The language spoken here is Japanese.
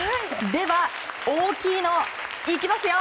では、大きいのいきますよ。